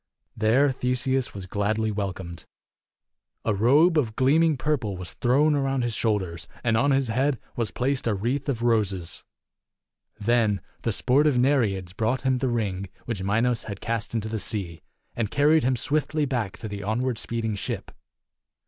There Theseus was gladly welcomed. A robe of gleaming purple was thrown around his shoulders, and on his head was placed a wreath of roses. Then the sportive Nereids brought him the ring which Minos had cast into the sea, and carried him swiftly back to the onward speeding ship.